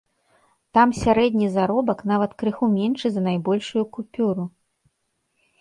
Там сярэдні заробак нават крыху меншы за найбольшую купюру!